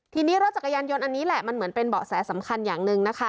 ทีนี้รถจักรยานยนต์อันนี้แหละมันเหมือนเป็นเบาะแสสำคัญอย่างหนึ่งนะคะ